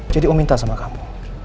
jadi om minta sama kamu